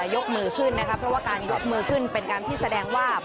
เพราะว่าการลบมือขึ้นนะครับเพราะว่าการลบมือขึ้นเป็นการที่แสดงว่า